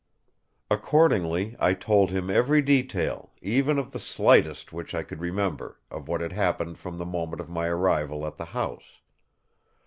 Accordingly, I told him every detail, even of the slightest which I could remember, of what had happened from the moment of my arrival at the house.